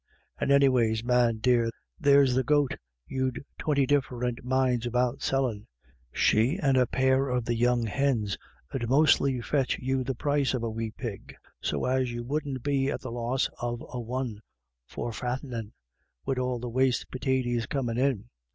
And anyways, man dear, there's the goat you'd twinty different minds about sellin', she and a pair of the young hins 'ud mostly fetch you the price of a wee pig, so as you wouldn't be at the loss of a one for fattening wid all the waste pitaties com in' in.